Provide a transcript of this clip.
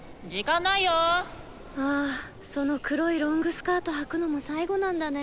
ああその黒いロングスカートはくのも最後なんだね。